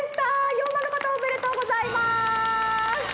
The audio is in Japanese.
④ばんのかたおめでとうございます！